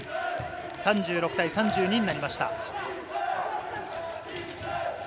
３６対３２になりました。